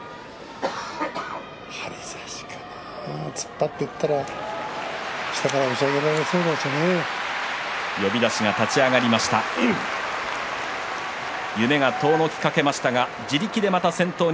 張り差しかな突っ張っていったら下から押し上げられてしまうかもしれませんね。